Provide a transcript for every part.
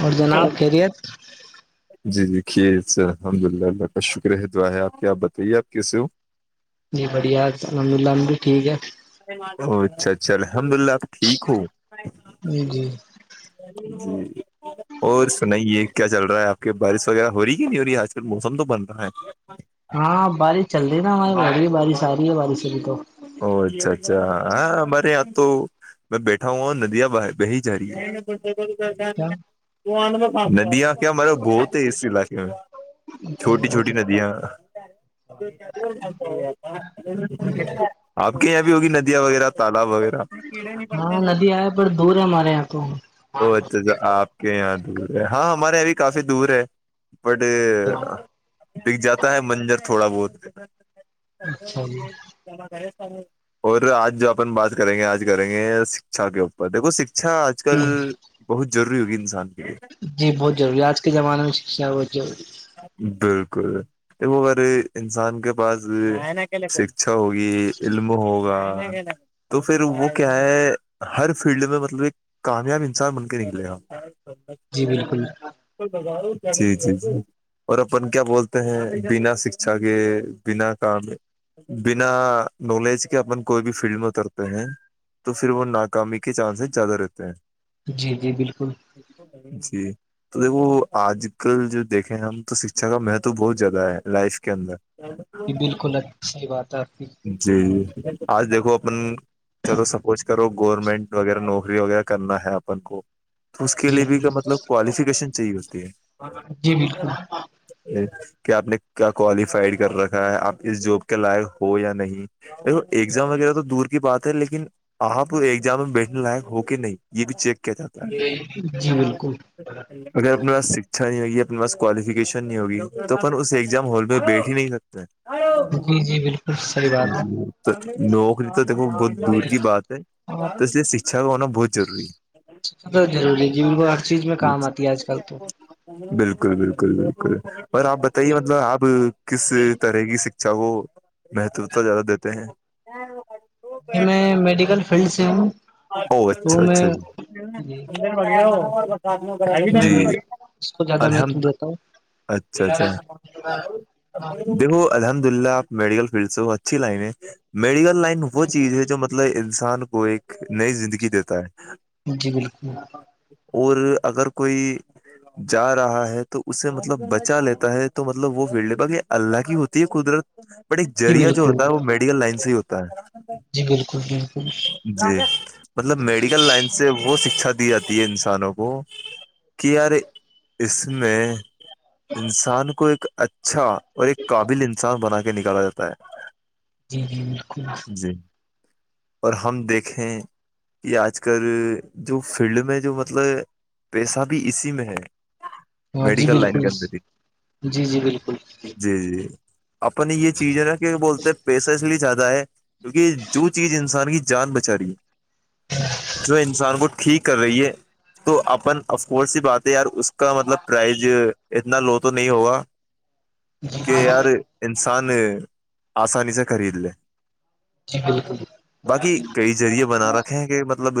اور جناب خیریت جی جی کھیر سے الحمد اللہ اللہ کا شکر ہے دعا ہے آپ کیا آپ بتائیے آپ کیسے ہو جی بڑھیا الحمد للہ عب بھی ٹھیک ہے او اچھا اچھا الحمد للہ آپ ٹھیک ہو ہے جی جی اور سنائیے کیا چل رہا ہے آپ کے بارش وغیرہ ہو رہی ہے کہ نہیں ہو رہی آج کل موسم تو بن رہا ہے ہاں بارش چل رہی نا ہمائی ہو رہی ہے بارش آ رہی ہے بارش ا بھی تو او اچھا اچھا ہاں ہمارے یہاں تو میں بیٹھا ہا ہ ندیاں ب بہی جا رہی ہے کیا ندی آں کیا مرے بہت ہے اس علاقے میں چھوٹی چھوٹی ندیاں آپ کے یہاں بھی ہوگی ندیاں وغیرہ تالاب وغیرہ بڑ دور ہے ہمارے یہاں کو ا اچھا اھا آپ کے یہاں دور ہے ہاں ہمارے یہاں بھی کافی دور ہے بٹ بک جاتا ہے منجر تھوڑا بہت اچھا جی [unintelligible] اور آج جو اپن بات کریں گے آج کریں گے شکچھا کے اوپر دیکو شکچھا آج آ کل جی بہت ضروری ہوگی انسان کے لیے جی بہت ضری آج کے زمانے میں شکھا بہت ضروری بالکل وہ اگر انسان کے پاس شکھا ہوگی علم ہوگا تو پھر وہ کیا ہے ہر فیلڈ میں مطلب ایک کامیاب انسان بن کے نکلے گا جی بالکل بگا جی جی ج اور اپن کیا بولتے ہیں بنا شکھا کے بنا کام بنا نالج کے اپن کوئی بھی فیلڈ میں اترتے ہیں تو پھر وہ ناکامی کے چانسز زیادہ رہتے ہیں جی جی بالکل جی تو دیکھو آج کل جو دیکھیں ہم تو شکچھا کا مہتو بہت زیادہ ہے لائف کے اندر یہ بالکل اچ صحی بات ہے آپ کی جی جی آج دیکھو اپن چلو سپوز کرو گورنمنٹ وغیرہ نوکری وغیرہ کرنا ہے اپن کو تو اس کے لیے بھی جی مطلب کوالیفیکیشن چاہیح ہوتی ہے جی بالکل کہ آپ نے کیا کوالیفائیڈ کر رکھا ہے آپ اس جاب کے لائق ہو یا نہیں دیکو ایگزام وغیرہ تو دور کی بات ہے لیکن آپ ایگزام میں بیٹھنے لائق ہو کے نہیں یہ بھی چیک کیا جاتا ہے جی بالکل اگر اپنے پس شکچھا نہیں ہوگی اپنے پاس کوالیفکیشن نہیں ہوگی تو پن اس ایگزام ہال میں بیٹھ ہی نہیں سکتے جی جی بالکل صحیح بات ہے نوکری تو دیکھو ب د کی بات ہے آپ تو اس سے شکچھا کا ہونا بہت ضروری ہے ضروری ج ان کو ہر چیز میں کام آتی ہے آج کل تو بالکل بالکل بالکل اور آپ جی بتائیے مطلب آپ کس طرح کی اچھا وہ مہتو تو زیادہ دیتے ہیں ج میں میڈیکل فیلڈ سے ہوں تو میں ج و ہو اور بس آد میں میں اس کو زیادہ مہتو الحمد دیتا ہوں اچھا اچھا دیکھو الحمد للہ آپ میڈیکل فیلڈ سے ہو اچھی لائن ہے میڈیکل لائن وہ چیز ہے جو مطلب انسان کو ایک نئی زندگی دیتا ہے جی بالکل اور اگر کوئی ج رہا ہے تو اسے مطلب بچا لیتا ہے تو مطلب وہ وڑ ل باغ یہ اللہ کی ہوتی ہے قدرت بٹ ایک جی جذریہ جو بالکل ہوتا ہے وہ میڈیکل لائن سے ہی ہوتا ہے جی بالکل بالکل جی مطلب میڈیکل لائن سے وہ شکھا دی جاتی ہے انسانوں کو کیا آار اس میں انسان کو ایک اچھا اور ایک قابل سان بنا کے نکالا جاتا ہے جی جی بالکل جی اور ہم دیکھیں کہ آج کل جو فیلڈ میں جو مطلب پیسہ بھی اسی میں ہے جی میڈیکل لائن بالکل کے اندر تھی جی جی بالکل جی جی اپنی یہ چیز ہے نا کہ بولتے ہیں پیسہ اس لیے جیادہ ہے کیونکہ جو چیز انسان کی جان بچا رہی ہے جو انسان کو ٹھیک کر رہی ہے تو اپن اف کورس س باتیں یار اس اس کا مطلب پرائز اتنا لو تو نہیں ہوگا جی کہ یار انسان آسانی سے خرید لے بالکل باقی کئی ذریعے بنا رکھے کہ مطلب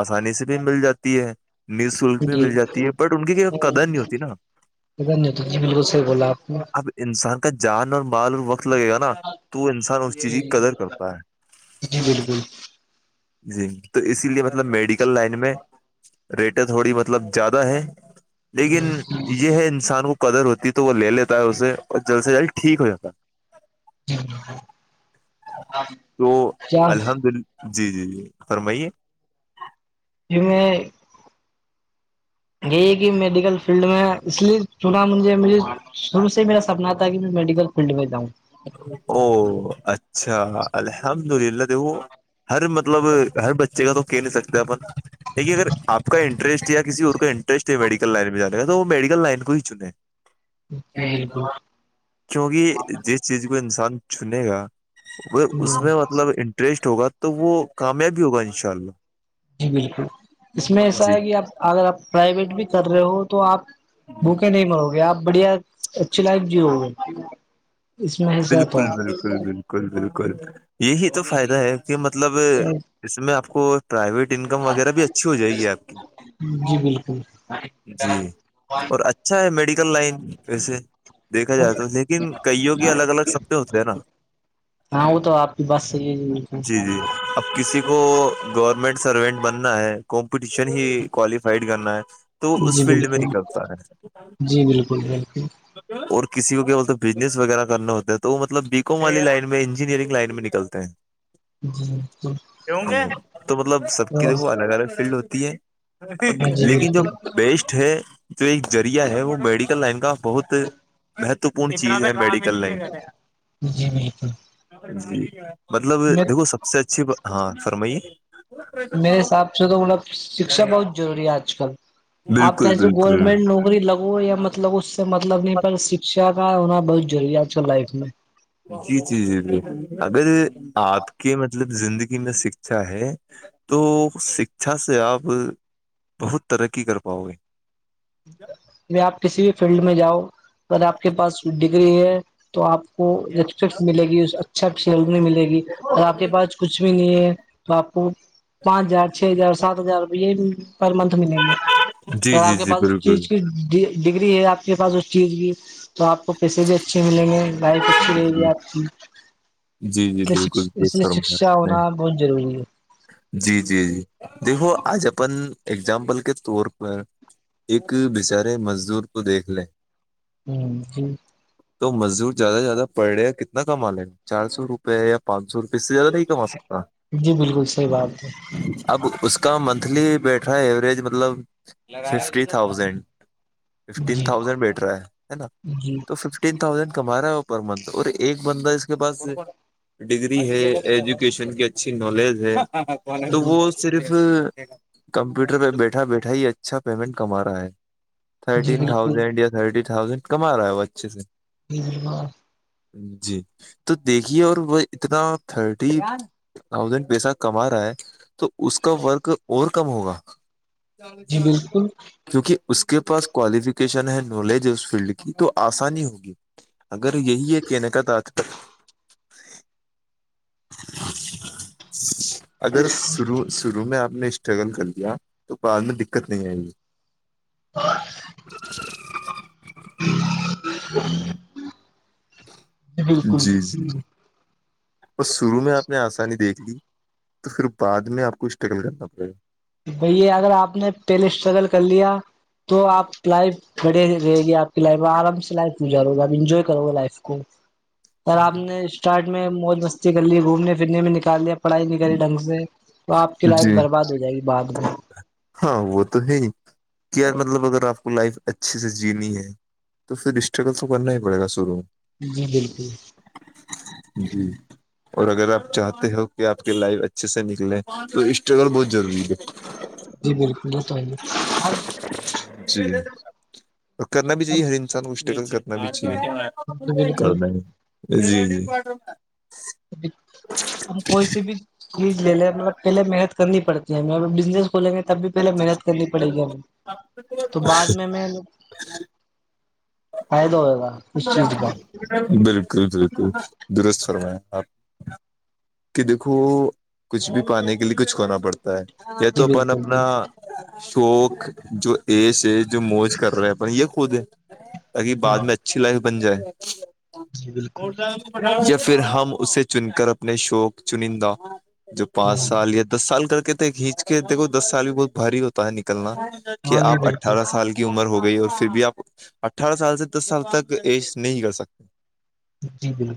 آسانی سے بھی مل جاتی ہے ن شلک بھی جی مل جاتی ہے بٹ ان کی کیا نہیں تو ج مل کو سے بولا آپ اب انسان کا جان اور مال اور وقت لگے گا نا تو وہ انسان اس چیز کی قدر کرتا ہے جی بالکل جی تو اسی لیے مطلب میڈیکل لائن میں ریٹیں تھوڑی مطلب زیادہ ہے لیکن یہ ہے انسان کو قدر ہوتی ہے تو وہ لے لیتا ہے اسے اور جلد سے جلد ٹھیک ہو جاتا ہے جی جاں تو کیا الحمد ال جی جی جی فرمائیے جی میں یہی کہ میڈیکل فیلڈ میں اس لیے چنا مجھے مجے شروع سے ہی میرا سپنا تھا کہ میں میڈیکل پنڈ میں جاں او اچھا الحمد للہ دو ہر مطلب ہر بچے کا تو کھیل نہیں سکتے اپپ دیکھیے اگر آپ کا انٹرسٹ یا کسی اور کا انٹرسٹ ہے میڈیکل لائن میں جانے کا تو وہ میڈیکل لائن کو ہی چنے بالکل کیونکہ جس چیز کو انسان چنے گا ا اس میں مطلب انٹرسٹ ہوگا تو وہ کامیابی ہوگا انشاء اللہ جی بالکل اس میں ایسا جی ہے کہ آپ اگر آپ پرائیویٹ بھی کر رہے ہو تو آپ بھوکے نہیں مرو گے آپ بڑھیا اچھی لائف جی گے اس میں ح س تو بالکل بالکل ہے بالکل بالکل یہی تو فائدہ ہے کہ مطلب ہے اس میں آپ کو پرائیویٹ انکم وغیرہ بھی اچھی ہو جائے گی آپ کی جی بالکل جی اور اچھ اچھا ہے میڈیکل لائن ویسے دیکھا جائے تو لیکن کئیوں کے الگ الگ سبتے ہوتے ہیں نا ہاں وہ تو آپ کی بات صحیح جی ہے جی اب کسی کو گورنمنٹ سروینٹ بننا ہے کمپٹیشن ہی کوالیفائڈ کرنا ہے تو اس جی فیلڈ میں بالکل نکلتا ہے جی بالکل بالکل اور کسی کو کیا بولتے بزنس وغیرہ کرنا ہوتا ہے تو وہ مطلب بییکم والی لائن میں انجینئرن لائن میں نکلتے ہیں کیک تو مطلب سب کی دیکھو جی الگ الگ فیلڈ ہوتی ہے بالکل جی لیکن جو بالکل بیسٹ ہے جو ایک ریعہ ہے وہ میڈ لائن کا بہت مہتپورن چیز ہے میڈیکل لائن جی بالکل جی مطلب دیکھو میرے سب سے اچھی ہاں فرمائیے میرے حساب سے تو مطلب شکھا بہت ضروری ہے آج کل آپ بالکل چسے بالکل گورنمنٹ نو لگو یا مطلب اس سے مطلب نہیں پر شکشا کا ہونا بہت ضری آپ لائف میں جی جی جی ب اگر آپ کے مطلب زندگی میں شکھا ہے تو شکھا سے آپ بہت ترقی کر پاؤ گے ج آپ کسی بھی فیلڈ میں جاؤ اگر آپ کے پاس ڈگری ہے تو آپ کو رپیکٹ ملے گی اچھا کھیل میں ملے گی اور آپ کے پاس کچھ بھی نہیں ہے تو آپو پانچ ہزار چھ ہزار سات ہزار یہ پر منتھ ملیں گے جی جی آپ کے جی پاس اس بالکل چیز کی ڈگری ہے آپ کے پاس اس چیز کی تو آپ کو پیسے بھی اچھے ملیں گے بائیک اچھی لے جی گی آپ کی جی جی کہ بالکل اس درست لیے فرمایا شکشا آپ نے ہونا بہت ضروری ہے جی جی جی دیکھو آج اپن اگزامپل کے طور پر ایک بچارے مزدور کو دیکھ لے ہوں جی تو مزدور زیادہ سے زیادہ پڑ رہے کتنا کما لیں گ چار سو روپ روپئے یا پانچ سو روپے اس سے زیادہ نہیں کما سکتا جی بالکل صحیح بات ہے اب اس کا منتھلی بیٹھ رہا ہے ایوریج مطلب ففٹی تھاؤزینڈ ففٹین جی تھازینڈ بیٹ رہا ہے نا جی تو ففٹین تھازینڈ کما رہا ہے وہ پر منتھ اور ایک بندہ اس کے پاس ڈگری ہے ایجوکیشن کی اچھی نالج ہے تو وہ صرف کمپیوٹر پہ بیٹھا بیٹھا ہی اچھا پیمنٹ کما رہا ہے جی تھرٹین بالکل تھاؤزینڈ یا تھرٹی تھاؤزینڈ کما رہا ہے وہ اچھے سے جیار جی تو دیکھیے اور وہ اتنا تھرٹی تھاؤزینڈ پیسہ کما رہا ہے تو اس کا ورک اور کم ہوگا جی بالکل کیونکہ اس کے پاس کوالیفکیشن ہے نالج اس فیلڈ کی تو آسانی ہوگی اگر یہی ہے کہنے کا تت تک اگر شروع شروع میں آپ نے اسٹرگل کر لیا تو بد میں دقت نہیں آئے گی ہ جی جی اور شروع میں آپ نے آسانی دیکھ لی تو پھر بعد میں آپ کو اسٹرگل کرنا پڑے گا بییا اگر آپ نے پہلے اسٹرگل کر لیا تو آپ لائف کھڑے رہے گی آپ کی لائف میں آرام سے لائف گو آپ انجوائے کرو گا لائف کو پر آپ نے اسٹارٹ میں مو م کر لی گھومنے پھرنے میں نکال لیا پڑھائی نکالی ڈھنگ سے تو آ کی گا لائف جی برباد ہو جائے گی بعد میںھر ہاں وہ تو ہے ہی کہ یار مطلب اگر آپ کو لائف اچھے سے جینی ہے تو پھر ڈسٹرگل تو کرنا ہی پڑ گا شروع میں جی بالکل جی اور اگر آپ چاہتے ہو کہ آپ کی لائف اچھے سے نکلیں تو اسٹرگل بہت ضروری ہے جی بالکل ہی تو نہیں جی اور کرنا بھی چاہیے ہر انسان گشٹکل کرنا بھی چاہیے کر بالکل د جی جی ہم کوئی سی بھی چیز لے لیں مطلب پہلے محنت کرنی پڑتی ہے ہم ا بزس کھولیں گے تب بھی پہلے محنت کرنی پڑے گی ہمب تو بعد میں میں فائد ا ہو ہو گا اس چیز کا بالکل بالکل درست فرماائیں آپ کہ دیکھو کچھ بھی پانے کے لیے کچھ کرنا پڑتا ہے یا جی تو اپن بالکل اپنا بالکل شوق جو ایس ہے جو موج کر رہا ہے اپن یہ خود ہے تاکہ بعد ہاں میں اچھی لائف بن جائے جی بالکل یا پھر ہم اسے چن کر اپنے شوق چنندہ جو پانچ سال ہاں یا دس سال کر کے تھے کھینچ کے دیکھو دس سال بھی بہت بھاری ہوتا ہے نکلنا کہ جی آپ بالکل اٹھارہ سال کے کی عمر ہو گئی اور پھر بھی آپ اٹھارہ سال سے دس سال تک ایج نہیں کر سکتے جی جی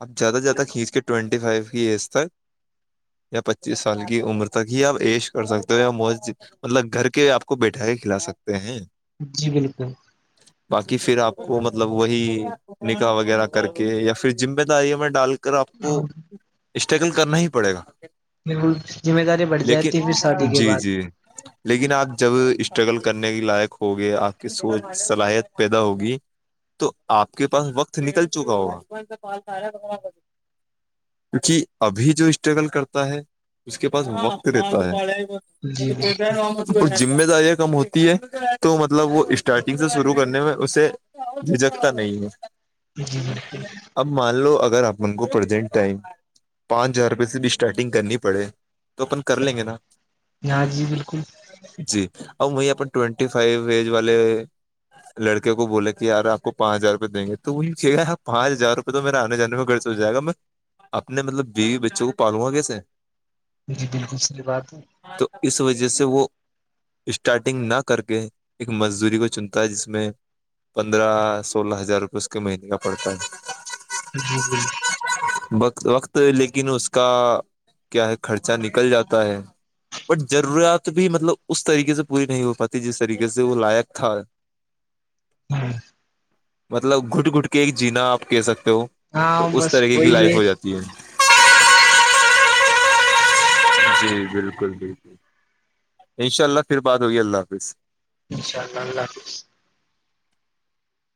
اب زیادہ سے زیادہ کھینچ کے ٹوئینٹی فائیو کی ایز تک یا پچیس سال کی عمر تک ہی آپ ایش کر سکتے ہو یا مو مطلب گھر کے آپ کو بیٹھا کے کھلا سکتے ہیں جی بالکل باقی پھر آپ کو مطلب وہی نکاح وغیرہ کر کے یا پھر ذمہ داریوں میں ڈال کر آپ کو اسٹرگل کرنا ہی پڑے گا بالکل ذمہ داری بڑھ جاتی ہے پھر شادی لیکن کے جی بعد جی لیکن آپ جب اسٹرگل کرنے کے لائق ہوگے آپ کی سوچ صلاحیت پیدا ہوگی تو آپ کے پاس وقت نکل چکا ہوگا کیونکہ ابھی جو اسٹرگل کرتا ہے اس کے پاس وقت دیتا ہے م جی پٹ بالکل ہو [unintelligible] وہ ذمہ داریاں کم ہوتی ہے تو مطلب وہ اسٹارٹنگ سے شرع کرنے میں اسے جھجکتا نہیں جی بالکل ہے اب مان لو اگر اپن کو پرزینٹ ٹائم پانچ ہزار روپئے سے بھی اسٹارٹنگ کرنی پڑے تو اپن کر لیں گے نا ہاں جی بالکل جی اور وہ اپ ٹینٹی فائیو ایج والے لڑکے کو بولے کہ ی آپ کو پانچ ہزار روپئے دیں گے تو وہی چے پانچ ہزار روپئے تو میرے آنے جان میں ٹوومرا خرچ تو جائے گا میں اپنے مطلب بیوی بچوں کو پالوں گا کیسے جی بالکل صحیح بات ہے تو اس وجہ سے وہ اسٹارٹنگ نہ کر کے ایک مزدوری کو چنتا ہے جس میں پندرہ سولہ ہزار روپئے اس کے مہینے کا پڑتا ہے [unintelligible] وقت وقت لیکن اس کا کیا ہے خرچہ نکل جاتا ہے بٹ ضروریات بھی مطلب اس طریقے سے پوری نہیں ہو پاتی جس طریقے سے وہ لائق تھا غغ [inaudible] ہاں مطلب گٹ گٹ کے ایک جینا آپ کہہ سکتے ہو تو ہاں اس بس طریقے کی وہی لائف ہو جاتی ہے جی بالکل بالکل انشاء اللہ پھر بات ہوگئی اللہ حافظ انناء اللہ اللہ حافظ